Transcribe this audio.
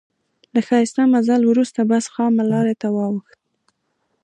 له ښایسته مزل وروسته بس خامه لارې ته واوښت.